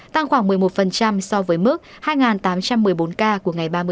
tăng khoảng một mươi một so với mức hai tám trăm linh